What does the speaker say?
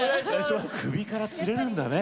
首からつれるんだね。